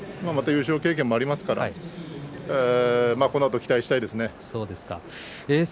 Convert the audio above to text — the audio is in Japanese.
優勝経験もありますからこのあと期待したいですね。